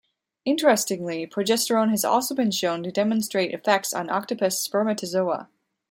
Interestingly, progesterone has also been shown to demonstrate effects on octopus spermatozoa.